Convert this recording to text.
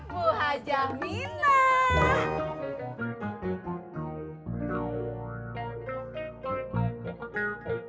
bu hajah mina